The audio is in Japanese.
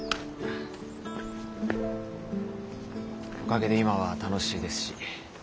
おかげで今は楽しいですし。